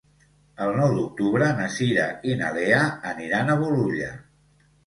El nou d'octubre na Cira i na Lea aniran a Bolulla.